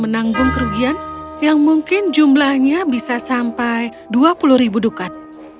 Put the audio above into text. mereka akan menanggung kerugian yang mungkin bisa sampai dua puluh dukat